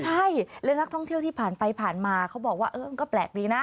ใช่และนักท่องเที่ยวที่ผ่านไปผ่านมาเขาบอกว่าเออมันก็แปลกดีนะ